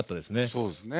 そうですね。